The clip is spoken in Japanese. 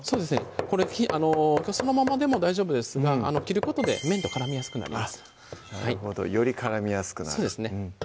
これそのままでも大丈夫ですが切ることで麺とからみやすくなりますなるほどよりからみやすくなるそうですね